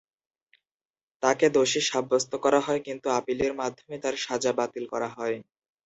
তাকে দোষী সাব্যস্ত করা হয় কিন্তু আপিলের মাধ্যমে তার সাজা বাতিল করা হয়।